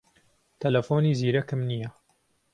تەلەفۆنی زیرەکم نییە.